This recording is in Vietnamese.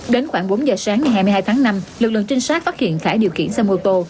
đến khoảng bốn giờ sáng ngày hai mươi hai tháng năm lực lượng trinh sát phát hiện khải điều khiển xe mô tô